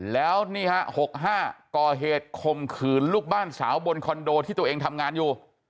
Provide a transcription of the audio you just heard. แล้วนี่ฮะ๖๕ก่อเหตุข่มขืนลูกบ้านสาวบนคอนโดที่ตัวเองทำงานอยู่